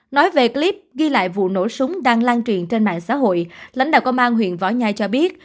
nói về clip ghi lại vụ nổ súng đang lan truyền trên mạng xã hội lãnh đạo công an huyện võ nhai cho biết